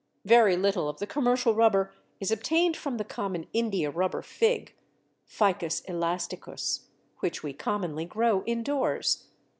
Very little of the commercial rubber is obtained from the common india rubber Fig (Ficus elasticus) which we commonly grow indoors.